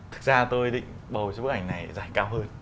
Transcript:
thực ra tôi định bầu cho bức ảnh này giải cao hơn